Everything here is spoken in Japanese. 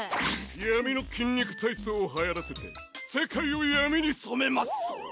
闇の筋肉体操をはやらせて世界を闇に染めマッソー。